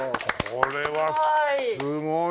これはすごい！